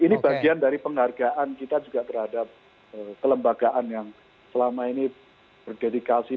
ini bagian dari penghargaan kita juga terhadap kelembagaan yang selama ini berdedikasi